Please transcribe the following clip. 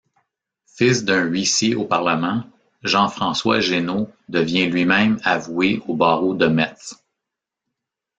Fils d'un huissier au parlement, Jean-François Génot devient lui-même avoué au barreau de Metz.